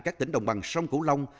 các tỉnh đồng bằng sông củ long